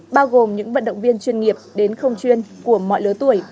bao gồm những vận động viên chuyên nghiệp đến không chuyên của mọi lứa tuổi